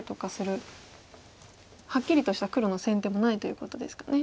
はっきりとした黒の先手もないということですかね。